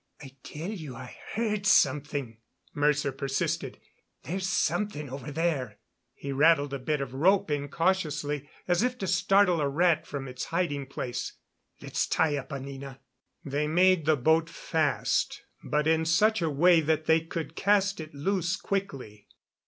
"I tell you I heard something," Mercer persisted. "There's something over there." He rattled a bit of rope incautiously, as if to startle a rat from its hiding place. "Let's tie up, Anina." They made the boat fast, but in such a way that they could cast it loose quickly.